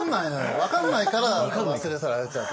分かんないから忘れ去られちゃって。